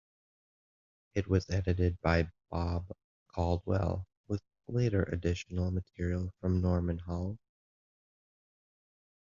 It was edited by Bob Caldwell with later additional material from Norman Hull.